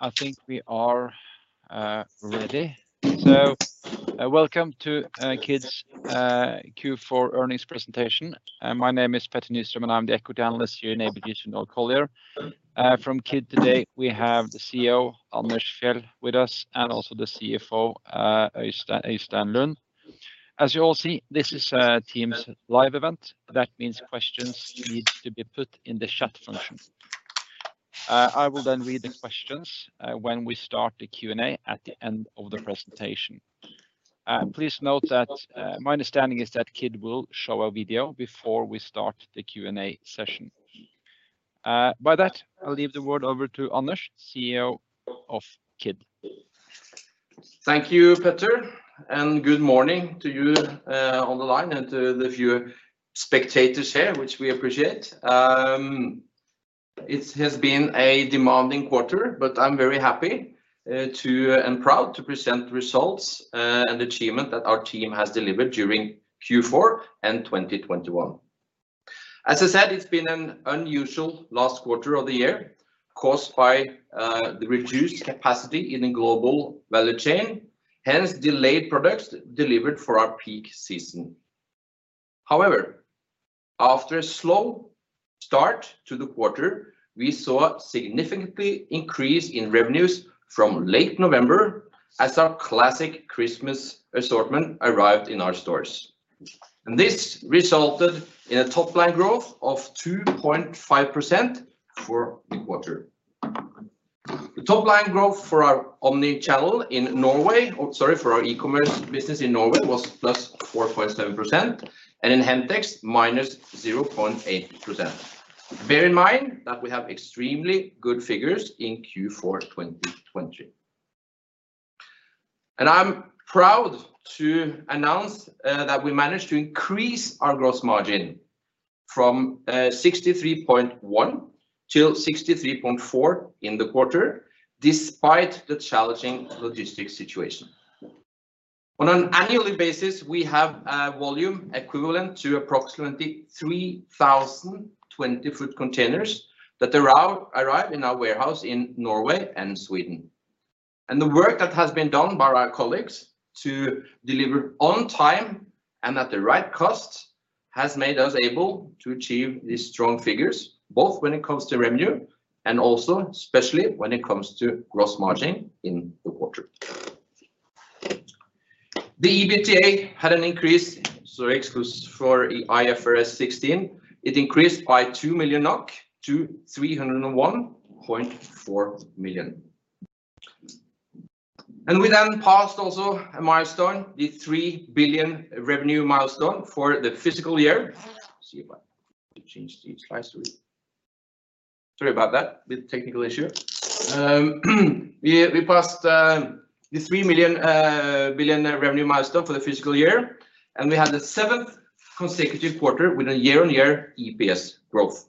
I think we are ready. Welcome to Kid's Q4 earnings presentation. My name is Petter Nyström, I'm the equity analyst here in ABG Sundal Collier. From Kid today, we have the CEO, Anders Fjeld, with us, and also the CFO, Eystein Lund. As you all see, this is a Teams Live Event. That means questions need to be put in the chat function. I will then read the questions when we start the Q&A at the end of the presentation. Please note that my understanding is that Kid will show a video before we start the Q&A session. By that, I leave the word over to Anders, CEO of Kid. Thank you, Petter. Good morning to you on the line and to the few spectators here, which we appreciate. It has been a demanding quarter, but I'm very happy and proud to present results and achievement that our team has delivered during Q4 and 2021. As I said, it's been an unusual last quarter of the year, caused by the reduced capacity in the global value chain, hence delayed products delivered for our peak season. However, after a slow start to the quarter, we saw a significant increase in revenues from late November as our classic Christmas assortment arrived in our stores. This resulted in a top line growth of 2.5% for the quarter. The top line growth for our omnichannel in Norway was 4.7%, and in Hemtex -0.8%. Bear in mind that we have extremely good figures in Q4 2020. I'm proud to announce that we managed to increase our gross margin from 63.1% to 63.4% in the quarter, despite the challenging logistics situation. On an annual basis, we have a volume equivalent to approximately 3,020 foot containers that arrived in our warehouse in Norway and Sweden. The work that has been done by our colleagues to deliver on time and at the right cost has made us able to achieve these strong figures, both when it comes to revenue and also especially when it comes to gross margin in the quarter. The EBITDA had an increase, exclusive of IFRS 16. It increased by 2 million NOK to 301.4 million. We then passed also a milestone, the 3 billion revenue milestone for the fiscal year. Sorry about that, the technical issue. We passed the 3 billion revenue milestone for the fiscal year, and we had the seventh consecutive quarter with a year-on-year EPS growth.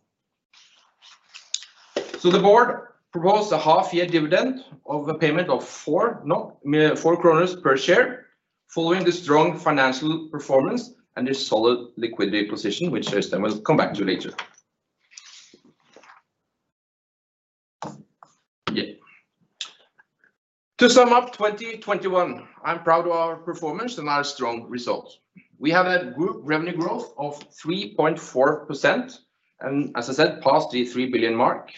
The board proposed a half-year dividend of a payment of 4, I mean, 4 kroner per share, following the strong financial performance and the solid liquidity position, which Eystein will come back to later. To sum up 2021, I'm proud of our performance and our strong results. We have had group revenue growth of 3.4%, and as I said, passed the 3 billion mark.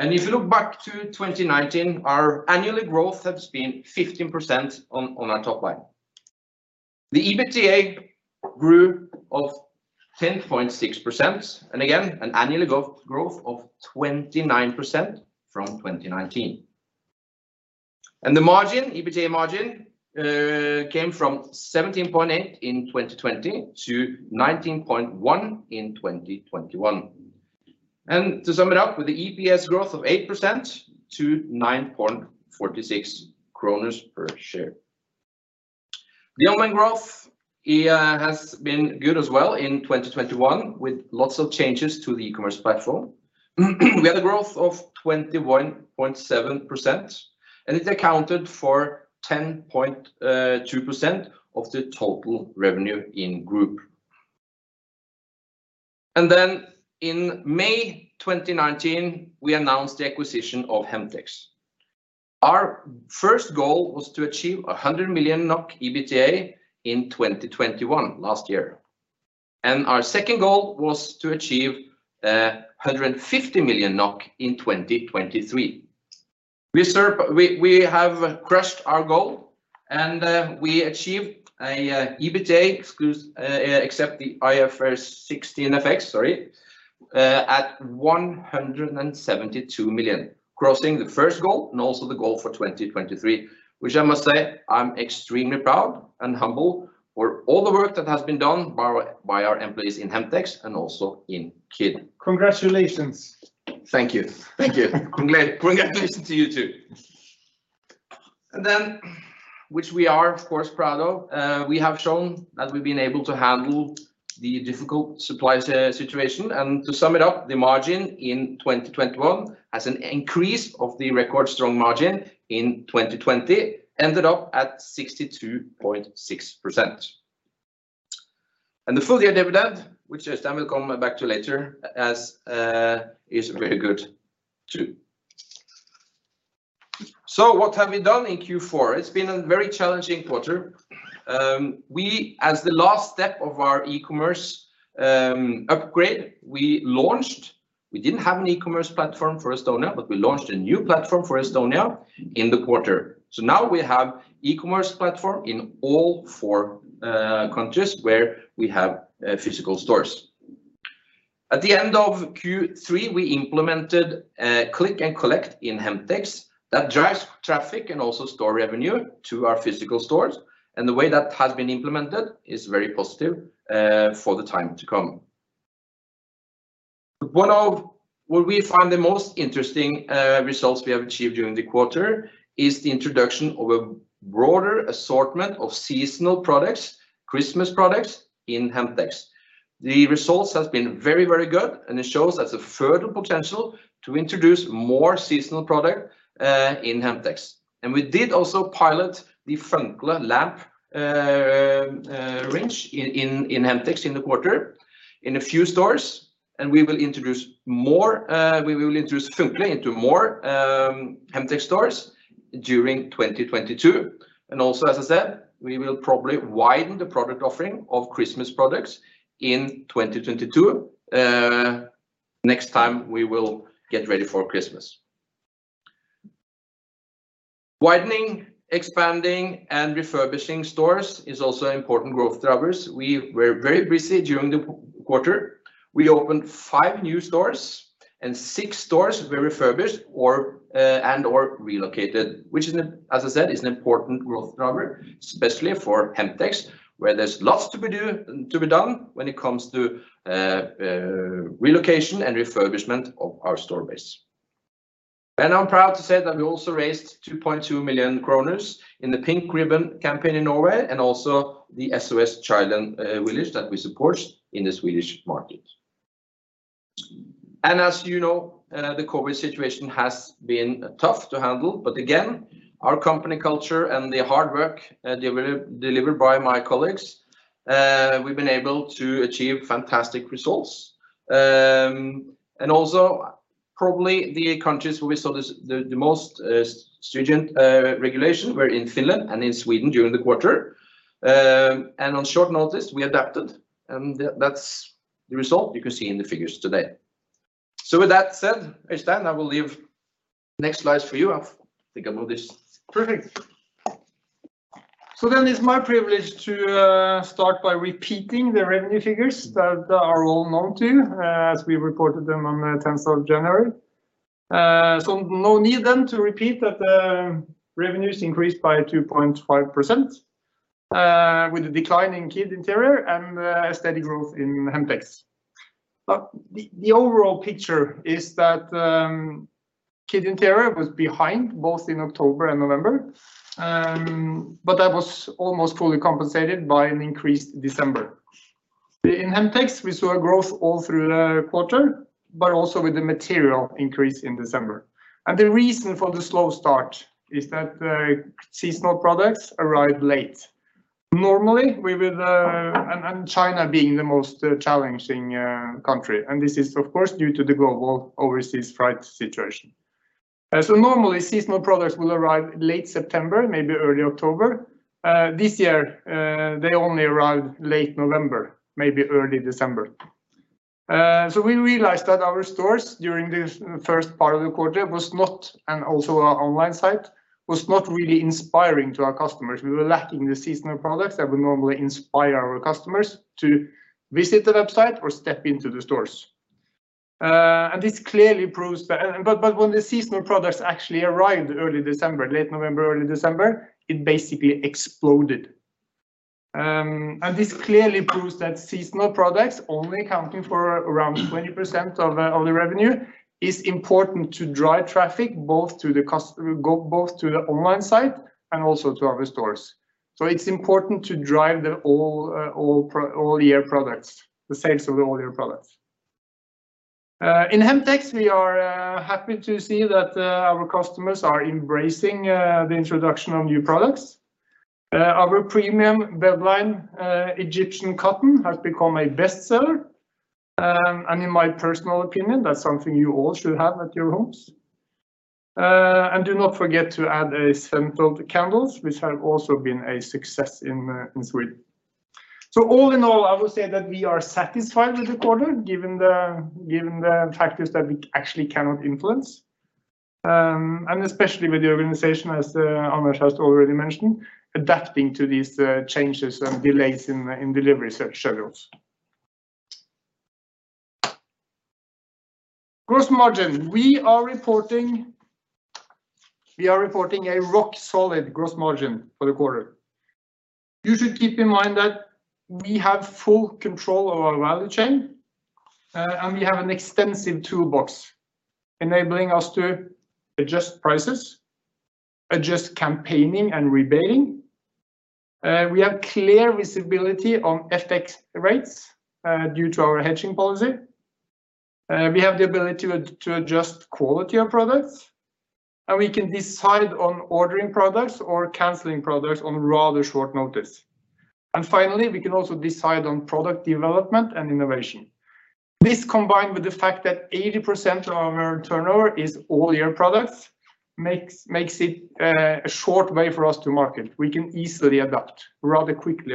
If you look back to 2019, our annual growth has been 15% on our top line. The EBITDA grew 10.6%, and again, an annual growth of 29% from 2019. The margin, EBITDA margin, came from 17.8% in 2020 to 19.1% in 2021. To sum it up, with the EPS growth of 8% to 9.46 kroner per share. The online growth has been good as well in 2021, with lots of changes to the e-commerce platform. We had a growth of 21.7%, and it accounted for 10.2% of the total revenue in group. In May 2019, we announced the acquisition of Hemtex. Our first goal was to achieve 100 million NOK EBITDA in 2021, last year. Our second goal was to achieve 150 million NOK in 2023. We have crushed our goal, and we achieved a EBITDA except the IFRS 16 effects, sorry, at 172 million, crossing the first goal and also the goal for 2023, which I must say, I'm extremely proud and humble for all the work that has been done by our employees in Hemtex and also in Kid. Congratulations. Thank you. Congratulations to you too. Which we are of course proud of, we have shown that we've been able to handle the difficult supply situation. To sum it up, the margin in 2021 has an increase over the record strong margin in 2020, ended up at 62.6%. The full-year dividend, which we'll come back to later, is very good too. What have we done in Q4? It's been a very challenging quarter. We, as the last step of our e-commerce upgrade, we launched. We didn't have an e-commerce platform for Estonia, but we launched a new platform for Estonia in the quarter. Now we have e-commerce platform in all four countries where we have physical stores. At the end of Q3, we implemented a click and collect in Hemtex that drives traffic and also store revenue to our physical stores, and the way that has been implemented is very positive for the time to come. One of what we find the most interesting results we have achieved during the quarter is the introduction of a broader assortment of seasonal products, Christmas products in Hemtex. The results has been very, very good, and it shows there's a further potential to introduce more seasonal product in Hemtex. We did also pilot the Funkle lamp range in Hemtex in the quarter in a few stores, and we will introduce Funkle into more Hemtex stores during 2022. Also, as I said, we will probably widen the product offering of Christmas products in 2022, next time we will get ready for Christmas. Widening, expanding, and refurbishing stores is also important growth drivers. We were very busy during the quarter. We opened five new stores, and six stores were refurbished or and/or relocated, which, as I said, is an important growth driver, especially for Hemtex, where there's lots to be done when it comes to relocation and refurbishment of our store base. I'm proud to say that we also raised 2.2 million kroner in the Pink Ribbon campaign in Norway and also the SOS Children's Villages that we support in the Swedish market. As you know, the COVID situation has been tough to handle. Again, our company culture and the hard work delivered by my colleagues, we've been able to achieve fantastic results. Also probably the countries where we saw this the most stringent regulation were in Finland and in Sweden during the quarter. On short notice, we adapted, and that's the result you can see in the figures today. With that said, Eystein, I will leave next slides for you. I think I know this. Perfect. It's my privilege to start by repeating the revenue figures that are all known to you, as we reported them on the tenth of January. No need to repeat that the revenues increased by 2.5%, with a decline in Kid Interiør and a steady growth in Hemtex. The overall picture is that Kid Interiør was behind both in October and November, but that was almost fully compensated by an increased December. In Hemtex, we saw a growth all through the quarter, but also with a material increase in December. The reason for the slow start is that seasonal products arrived late. Normally, China being the most challenging country, and this is of course due to the global overseas freight situation. Normally, seasonal products will arrive late September, maybe early October. This year, they only arrived late November, maybe early December. We realized that our stores during this first part of the quarter was not, and also our online site, was not really inspiring to our customers. We were lacking the seasonal products that would normally inspire our customers to visit the website or step into the stores. When the seasonal products actually arrived late November, early December, it basically exploded. This clearly proves that seasonal products only accounting for around 20% of the revenue is important to drive traffic both to the online site and also to our stores. It's important to drive the sales of all year products. In Hemtex, we are happy to see that our customers are embracing the introduction of new products. Our premium bed line, Egyptian cotton, has become a best seller. In my personal opinion, that's something you all should have at your homes. Do not forget to add scented candles, which have also been a success in Sweden. All in all, I would say that we are satisfied with the quarter, given the factors that we actually cannot influence, and especially with the organization, as Anders has already mentioned, adapting to these changes and delays in delivery schedules. Gross margin. We are reporting a rock solid gross margin for the quarter. You should keep in mind that we have full control of our value chain, and we have an extensive toolbox enabling us to adjust prices, adjust campaigning, and rebating. We have clear visibility on FX rates due to our hedging policy. We have the ability to adjust quality of products, and we can decide on ordering products or canceling products on rather short notice. Finally, we can also decide on product development and innovation. This, combined with the fact that 80% of our turnover is all-year products, makes it a short way for us to market. We can easily adapt rather quickly.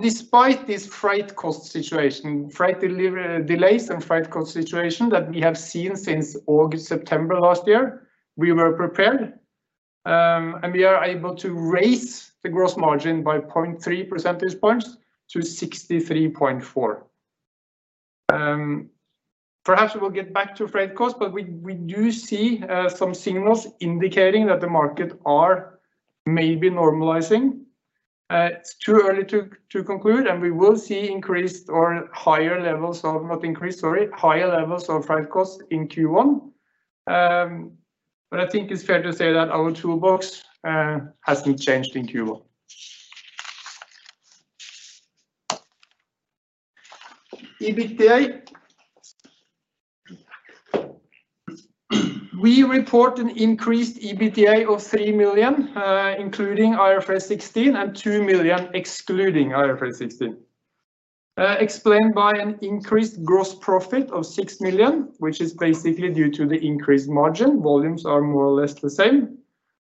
Despite this freight cost situation, freight delivery delays and freight cost situation that we have seen since August, September last year, we were prepared. We are able to raise the gross margin by 0.3 percentage points to 63.4%. Perhaps we will get back to freight cost, but we do see some signals indicating that the market is maybe normalizing. It's too early to conclude, and we will see higher levels of freight costs in Q1. I think it's fair to say that our toolbox hasn't changed in Q1. EBITDA. We report an increased EBITDA of 3 million, including IFRS 16 and 2 million excluding IFRS 16, explained by an increased gross profit of 6 million, which is basically due to the increased margin. Volumes are more or less the same.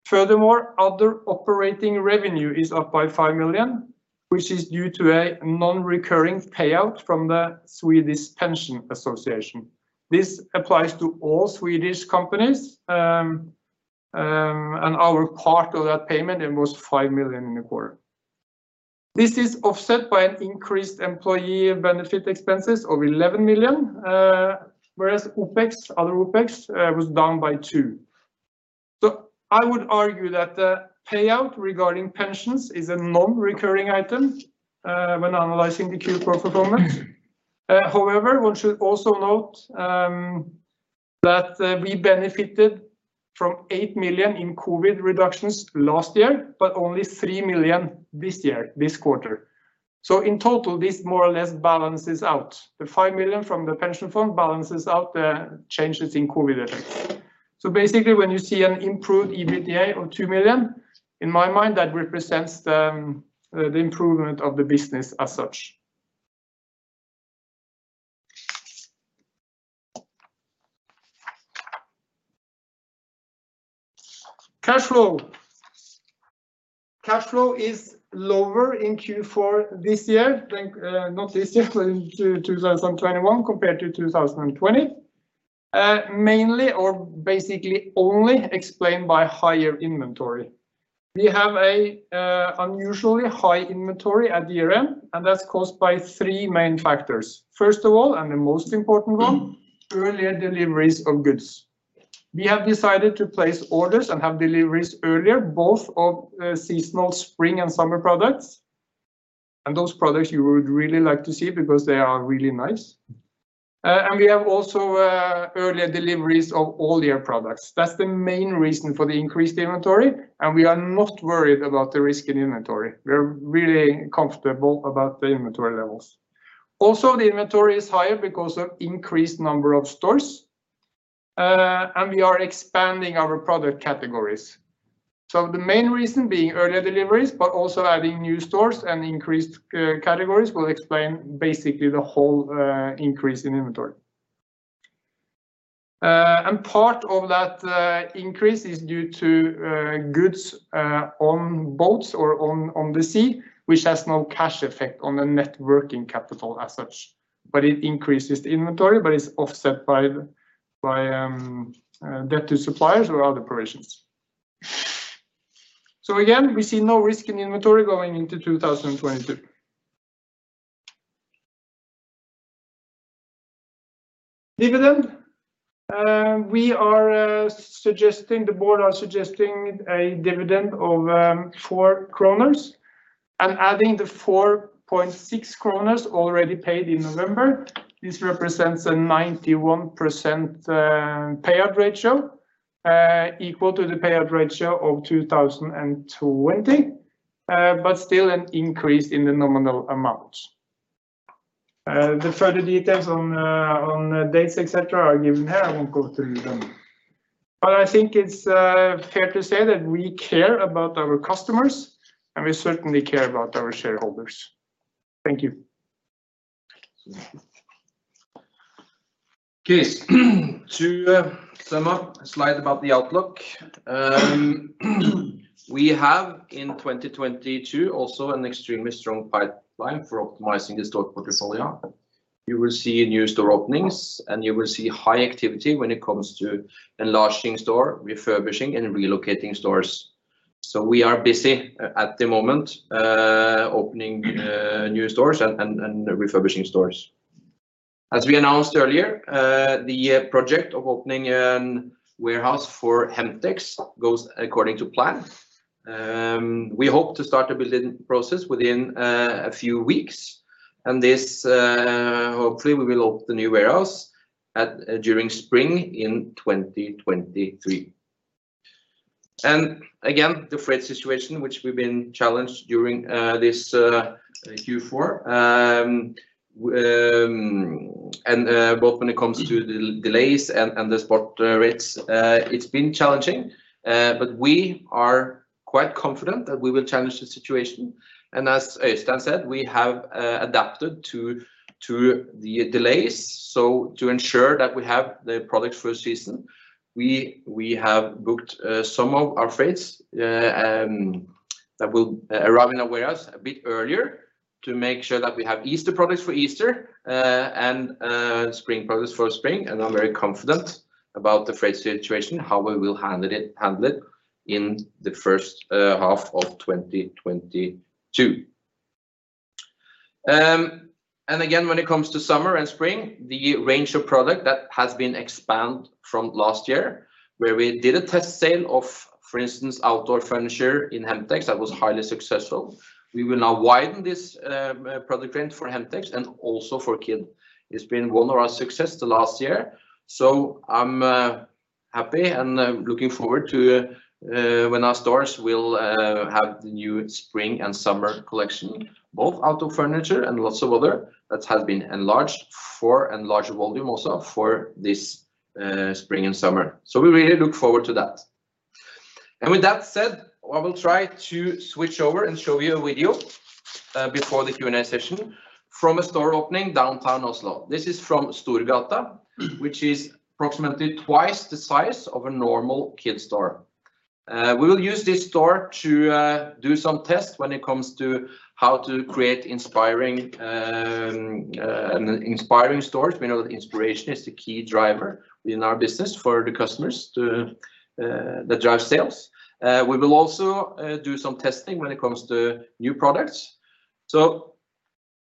Furthermore, other operating revenue is up by 5 million, which is due to a non-recurring payout from Alecta. This applies to all Swedish companies, and our part of that payment was 5 million in the quarter. This is offset by an increased employee benefit expenses of 11 million, whereas OpEx, other OpEx, was down by 2 million. I would argue that the payout regarding pensions is a non-recurring item, when analyzing the Q4 performance. However, one should also note, that we benefited from 8 million in COVID reductions last year, but only 3 million this year, this quarter. In total, this more or less balances out. The 5 million from the pension fund balances out the changes in COVID effects. Basically, when you see an improved EBITDA of 2 million, in my mind that represents the improvement of the business as such. Cash flow is lower in Q4 this year. Not this year, in 2021 compared to 2020, mainly or basically only explained by higher inventory. We have an unusually high inventory at the end, and that's caused by three main factors. First of all, the most important one, earlier deliveries of goods. We have decided to place orders and have deliveries earlier, both of seasonal spring and summer products. Those products you would really like to see because they are really nice. We have also earlier deliveries of all-year products. That's the main reason for the increased inventory, and we are not worried about the risk in inventory. We're really comfortable about the inventory levels. Also, the inventory is higher because of increased number of stores, and we are expanding our product categories. The main reason being earlier deliveries, but also adding new stores and increased categories will explain basically the whole increase in inventory. And part of that increase is due to goods on boats or on the sea, which has no cash effect on the net working capital as such. But it increases the inventory, but it's offset by the debt to suppliers or other provisions. Again, we see no risk in inventory going into 2022. Dividend. We are suggesting, the board are suggesting a dividend of 4 kroner, and adding the 4.6 kroner already paid in November. This represents a 91% payout ratio, equal to the payout ratio of 2020, but still an increase in the nominal amount. The further details on dates, etc., are given here. I won't go through them. I think it's fair to say that we care about our customers, and we certainly care about our shareholders. Thank you. Okay. To sum up, a slide about the outlook. We have in 2022 also an extremely strong pipeline for optimizing the store portfolio. You will see new store openings, and you will see high activity when it comes to enlarging store, refurbishing, and relocating stores. We are busy at the moment opening new stores and refurbishing stores. As we announced earlier, the project of opening a warehouse for Hemtex goes according to plan. We hope to start the building process within a few weeks, and hopefully we will open the new warehouse during spring in 2023. Again, the freight situation which we've been challenged during this Q4, and both when it comes to the delays and the spot rates, it's been challenging. We are quite confident that we will challenge the situation. As Eystein said, we have adapted to the delays. To ensure that we have the product for season, we have booked some of our freights that will arrive in our warehouse a bit earlier to make sure that we have Easter products for Easter and spring products for spring. I'm very confident about the freight situation, how we will handle it in the first half of 2022. When it comes to summer and spring, the range of product that has been expanded from last year where we did a test sale of, for instance, outdoor furniture in Hemtex that was highly successful. We will now widen this product range for Hemtex and also for Kid. It's been one of our success the last year. I'm happy and looking forward to when our stores will have the new spring and summer collection, both outdoor furniture and lots of other that has been enlarged and larger volume also for this spring and summer. We really look forward to that. With that said, I will try to switch over and show you a video before the Q&A session from a store opening downtown Oslo. This is from Storgata, which is approximately twice the size of a normal Kid store. We will use this store to do some tests when it comes to how to create inspiring stores. We know that inspiration is the key driver in our business for the customers to that drive sales. We will also do some testing when it comes to new products.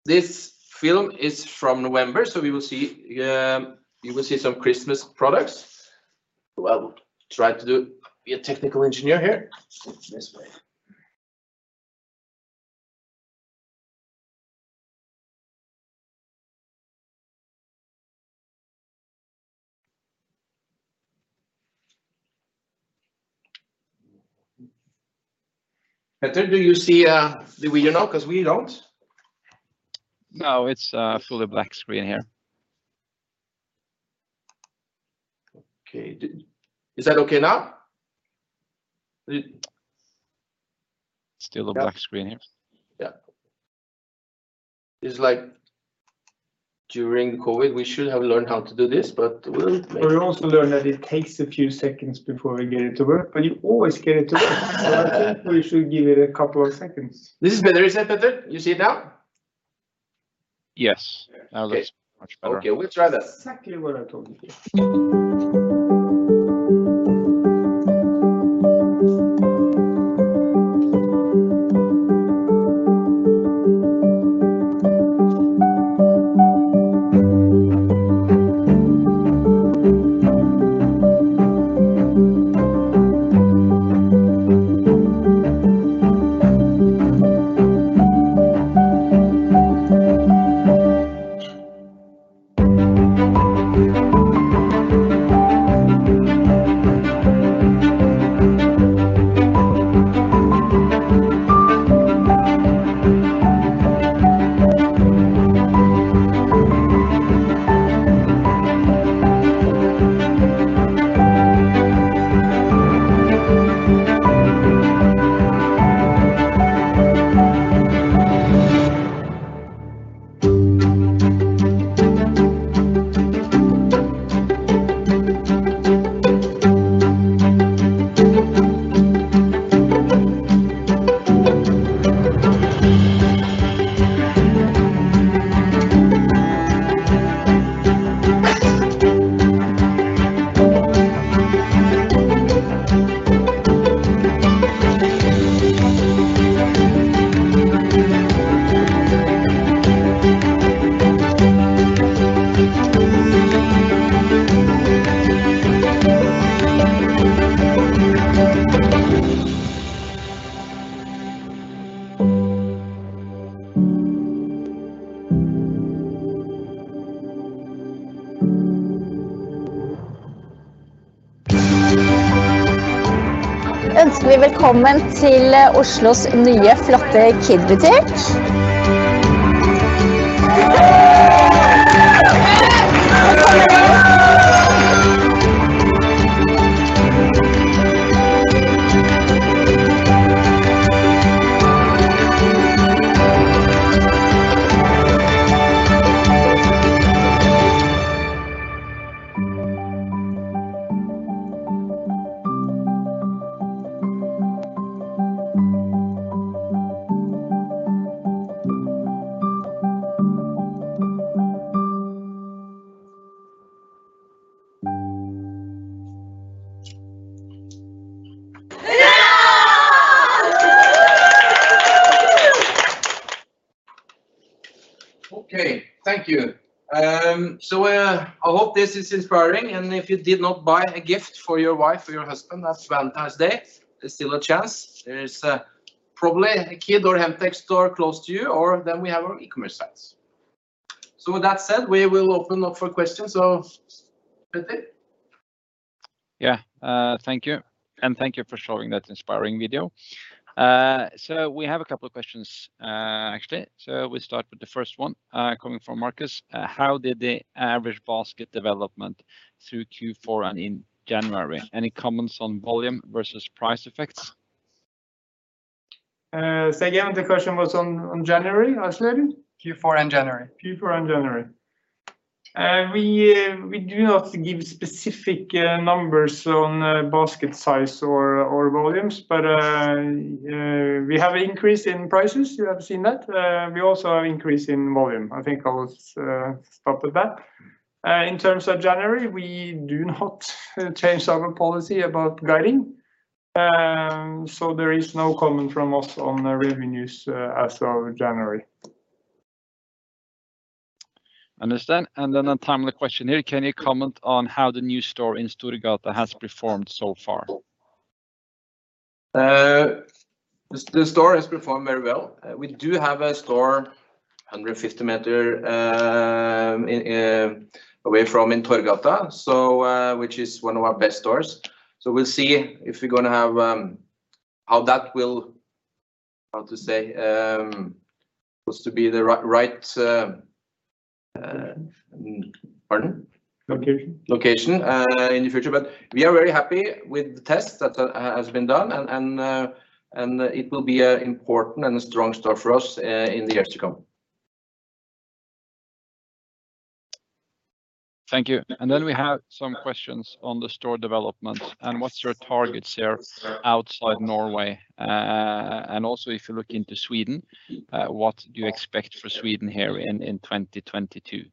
This film is from November. We will see, you will see some Christmas products. Well, be a technical engineer here. This way. Petter, do you see the video now? Because we don't. No, it's fully black screen here. Okay. Is that okay now? Still a black screen here. Yeah. It's like during the COVID, we should have learned how to do this, but we'll make. We also learned that it takes a few seconds before we get it to work, but you always get it to work. I think we should give it a couple of seconds. This is better. Is that better? You see it now? Yes. Yeah. Now that's much better. Okay. We'll try that. Exactly what I told you. Okay. Thank you. I hope this is inspiring. If you did not buy a gift for your wife or your husband, that's Valentine's Day, there's still a chance. There is probably a Kid or Hemtex store close to you, or then we have our e-commerce sites. With that said, we will open up for questions. Petter. Yeah. Thank you, and thank you for showing that inspiring video. We have a couple of questions, actually. We start with the first one, coming from Marcus. How did the average basket development through Q4 and in January? Any comments on volume versus price effects? Say again, the question was on January, I assume? Q4 and January. Q4 and January. We do not give specific numbers on basket size or volumes, but we have increase in prices. You have seen that. We also have increase in volume. I think I was stopped at that. In terms of January, we do not change our policy about guiding. There is no comment from us on the revenues as of January. Understand. A timely question here, can you comment on how the new store in Storgata has performed so far? The store has performed very well. We do have a store 150 meters away from in Torggata, which is one of our best stores. We'll see if we're gonna have how that will supposed to be the right. Pardon? Location. Location in the future. We are very happy with the tests that has been done and it will be important and a strong store for us in the years to come. Thank you. We have some questions on the store development and what's your targets there outside Norway. If you look into Sweden, what do you expect for Sweden here in 2022?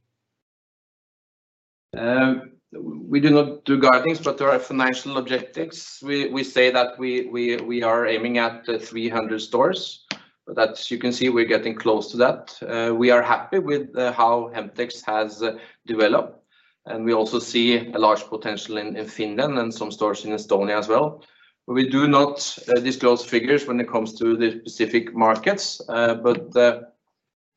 We do not do guidance, but our financial objectives, we say that we are aiming at 300 stores. That, you can see we're getting close to that. We are happy with how Hemtex has developed, and we also see a large potential in Finland and some stores in Estonia as well. We do not disclose figures when it comes to the specific markets.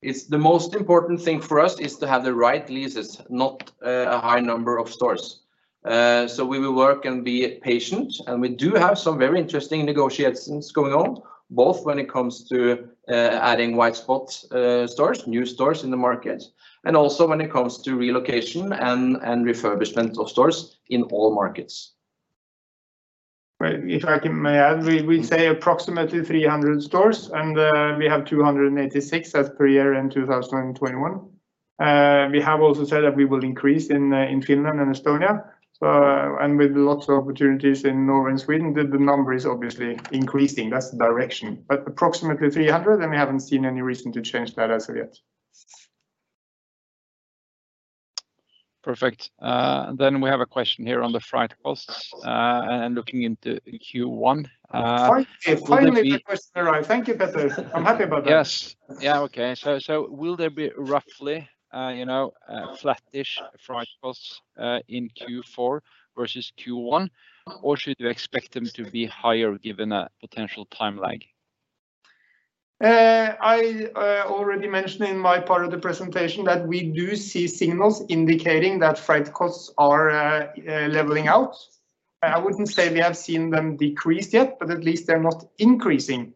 It's the most important thing for us is to have the right leases, not a high number of stores. We will work and be patient, and we do have some very interesting negotiations going on, both when it comes to adding white spot stores, new stores in the market, and also when it comes to relocation and refurbishment of stores in all markets. Right. If I may add, we say approximately 300 stores, and we have 286 as per year-end 2021. We have also said that we will increase in Finland and Estonia. With lots of opportunities in Norway and Sweden, the number is obviously increasing. That's the direction. Approximately 300, and we haven't seen any reason to change that as of yet. Perfect. We have a question here on the freight costs, and looking into Q1. Will there be- Finally, the question arrived. Thank you, Petter. I'm happy about that. Yes. Yeah, okay. Will there be roughly, you know, flat-ish freight costs in Q4 versus Q1, or should you expect them to be higher given a potential time lag? I already mentioned in my part of the presentation that we do see signals indicating that freight costs are leveling out. I wouldn't say we have seen them decrease yet, but at least they're not increasing.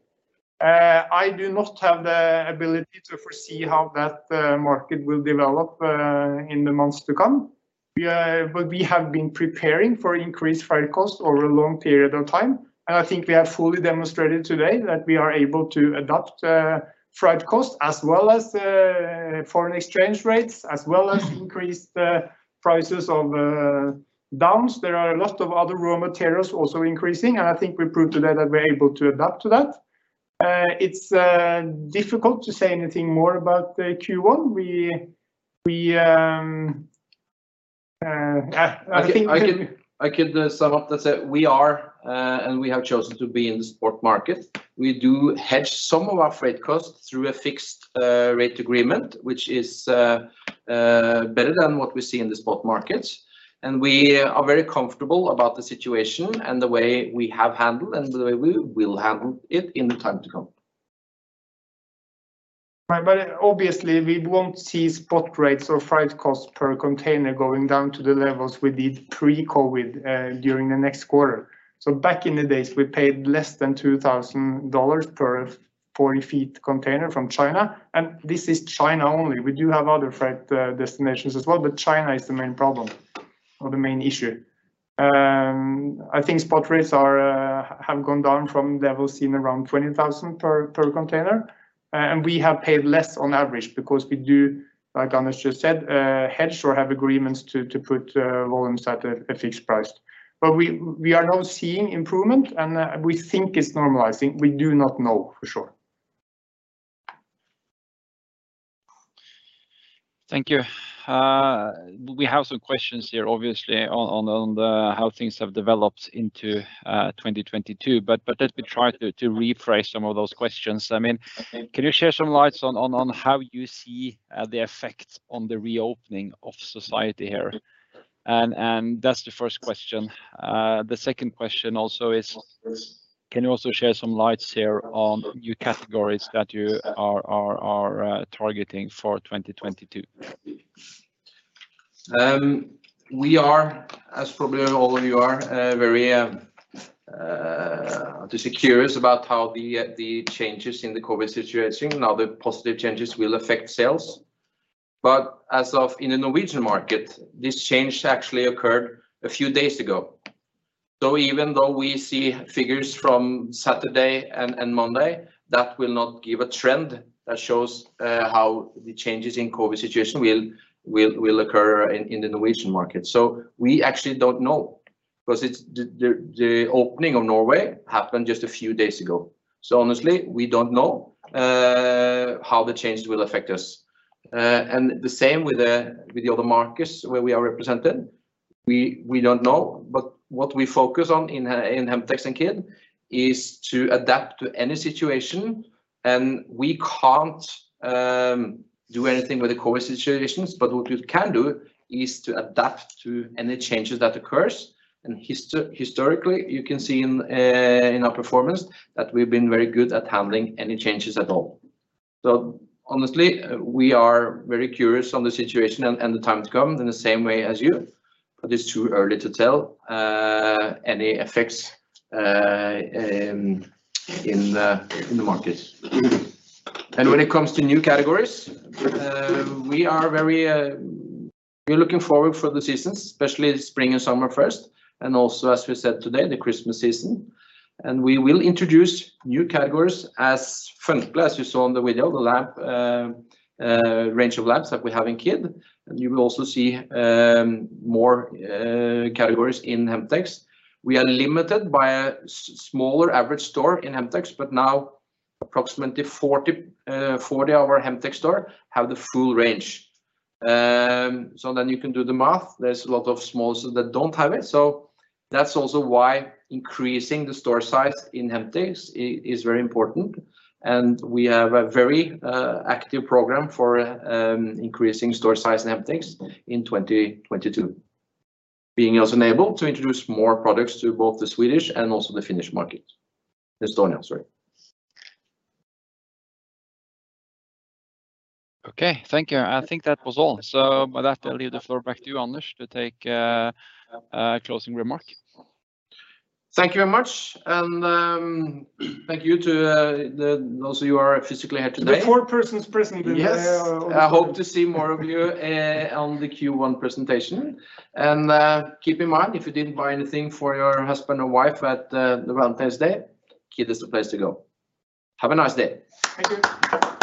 I do not have the ability to foresee how that market will develop in the months to come. We have been preparing for increased freight costs over a long period of time, and I think we have fully demonstrated today that we are able to adapt freight costs as well as foreign exchange rates, as well as increased prices of down. There are a lot of other raw materials also increasing, and I think we proved today that we're able to adapt to that. It's difficult to say anything more about the Q1. I think we- I can sum up that we are and we have chosen to be in the spot market. We hedge some of our freight costs through a fixed rate agreement, which is better than what we see in the spot markets. We are very comfortable about the situation and the way we have handled and the way we will handle it in the time to come. Right. Obviously we won't see spot rates or freight costs per container going down to the levels we did pre-COVID during the next quarter. Back in the days, we paid less than $2,000 per 40-foot container from China, and this is China only. We do have other freight destinations as well, but China is the main problem or the main issue. I think spot rates have gone down from levels seen around 20,000 per container. We have paid less on average because we do, like Anders just said, hedge or have agreements to put volumes at a fixed price. We are now seeing improvement, and we think it's normalizing. We do not know for sure. Thank you. We have some questions here obviously on the how things have developed into 2022. Let me try to rephrase some of those questions. I mean, can you shed some light on how you see the effects on the reopening of society here? That's the first question. The second question also is, can you also shed some light here on new categories that you are targeting for 2022? We are, as probably all of you are, very just curious about how the changes in the COVID situation, now the positive changes, will affect sales. As of now in the Norwegian market, this change actually occurred a few days ago. Even though we see figures from Saturday and Monday, that will not give a trend that shows how the changes in COVID situation will occur in the Norwegian market. We actually don't know, because the opening of Norway happened just a few days ago. Honestly, we don't know how the changes will affect us. The same with the other markets where we are represented. We don't know, but what we focus on in Hemtex and Kid is to adapt to any situation, and we can't do anything with the COVID situations. What we can do is to adapt to any changes that occurs, and historically, you can see in our performance that we've been very good at handling any changes at all. Honestly, we are very curious on the situation and the time to come in the same way as you, but it's too early to tell any effects in the markets. When it comes to new categories, we're looking forward for the seasons, especially spring and summer first, and also, as we said today, the Christmas season. We will introduce new categories as Funkle, as you saw in the video, the lamp range of lamps that we have in Kid, and you will also see more categories in Hemtex. We are limited by a smaller average store in Hemtex, but now approximately 40 of our Hemtex stores have the full range. You can do the math. There's a lot of small stores that don't have it, so that's also why increasing the store size in Hemtex is very important. We have a very active program for increasing store size in Hemtex in 2022, being also enabled to introduce more products to both the Swedish and also the Finnish market. Estonia, sorry. Okay, thank you. I think that was all. With that, I'll leave the floor back to you, Anders, to take a closing remark. Thank you very much, and thank you to those of you are physically here today. The four persons present today are welcome. Yes. I hope to see more of you on the Q1 presentation. Keep in mind, if you didn't buy anything for your husband or wife at the Valentine's Day, Kid is the place to go. Have a nice day. Thank you.